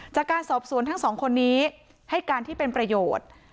จากการสอบสวนทั้งสองคนนี้ให้การที่เป็นประโยชน์